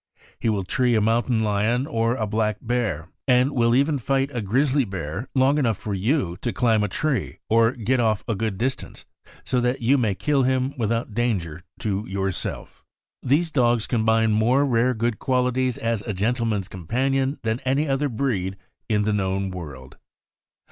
He will tree a mountain lion or a black bear, and will even fight a grizzly bear long enough for you to climb a tree or get off a good distance, so that you may kill him without danger to yourself. These dogs combine more rare good qualities as a gentle man's companion than any other breed in the known world.